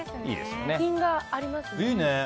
品がありますね。